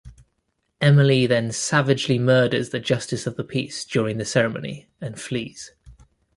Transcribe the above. Emily then savagely murders the justice of the peace during the ceremony, and flees.